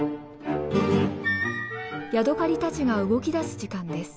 ヤドカリたちが動きだす時間です。